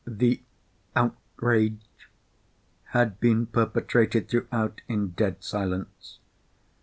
The outrage had been perpetrated throughout in dead silence.